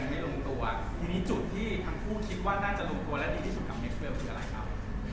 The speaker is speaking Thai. ยังไม่ลงตัวอ่ะอันนี้จุดที่ทั้งผู้คิดว่าน่าจะลงตัวและดีที่สุดของเม็กเฟิร์มคืออะไรครับ